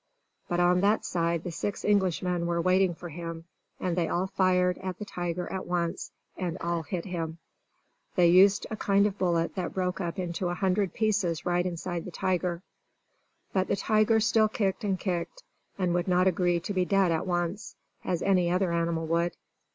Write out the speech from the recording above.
But on that side the six Englishmen were waiting for him; and they all fired at the tiger at once, and all hit him. They used a kind of bullet that broke up into a hundred pieces right inside the tiger. But the tiger still kicked and kicked, and would not agree to be dead at once, as any other animal would.